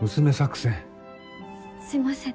すいません。